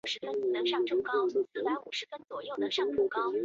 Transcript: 英国国王乔治六世委任反对绥靖的邱吉尔出任首相。